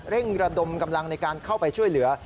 ระดมกำลังในการเข้าไปช่วยเหลือ